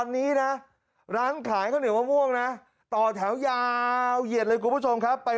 นี่นะฮะระวังมือหน่อย